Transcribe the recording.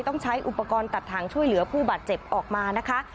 ต้องใช้อุปกรณ์ตัดทางช่วยเหลือผู้บาดเจ็บออกมานะคะ